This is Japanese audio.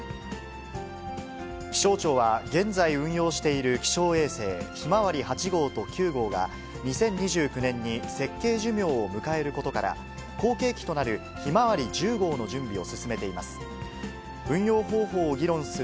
気象庁は現在運用している気象衛星、ひまわり８号と９号が、２０２９年に設計寿命を迎えることから、後継機となるひまわり１０号の準備を進めています。